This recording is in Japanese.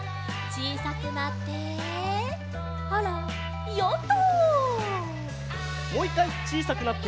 ちいさくなってあらヨット！